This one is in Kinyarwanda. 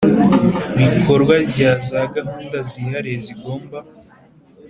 Bikorwa rya za gahunda zihariye zigomba